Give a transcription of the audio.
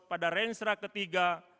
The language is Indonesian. pada reinserat ketiga